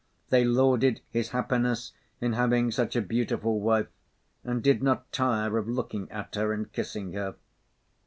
They lauded his happiness in having such a beautiful wife, and did not tire of looking at her and kissing her.